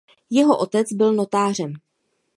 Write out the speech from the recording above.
Jeho otec byl notářem.